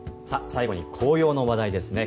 最後に紅葉の話題ですね。